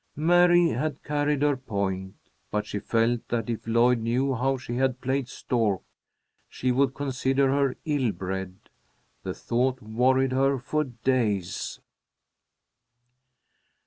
Mary had carried her point, but she felt that if Lloyd knew how she had played stork, she would consider her ill bred. The thought worried her for days.